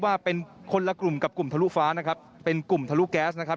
ว่าเป็นคนละกลุ่มกับกลุ่มทะลุฟ้านะครับเป็นกลุ่มทะลุแก๊สนะครับ